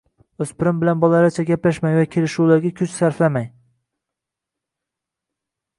O‘spirin bilan bolalarcha gaplashmang va kelishuvlarga kuch sarflamang.